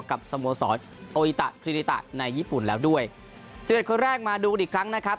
สโมสรโออิตะคลินิตะในญี่ปุ่นแล้วด้วยสิบเอ็ดคนแรกมาดูกันอีกครั้งนะครับ